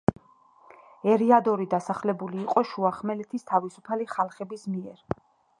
ერიადორი დასახლებული იყო შუახმელეთის თავისუფალი ხალხების მიერ.